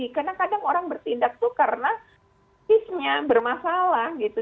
karena kadang kadang orang bertindak itu karena cisnya bermasalah gitu